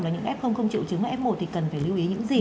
là những f không chịu chứng là f một thì cần phải lưu ý những gì